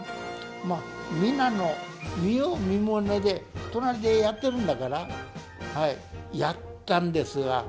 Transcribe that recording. まあみんなの見よう見まねで隣でやってるんだからはいやったんですわ。